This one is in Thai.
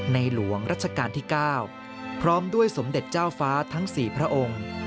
หลวงรัชกาลที่๙พร้อมด้วยสมเด็จเจ้าฟ้าทั้ง๔พระองค์